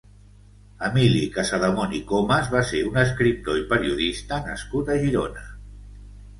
Emili Casademont i Comas va ser un escriptor i periodista nascut a Girona.